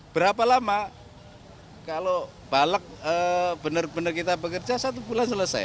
berapa lama kalau balik benar benar kita bekerja satu bulan selesai